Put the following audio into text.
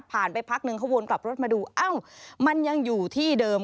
ไปพักนึงเขาวนกลับรถมาดูเอ้ามันยังอยู่ที่เดิม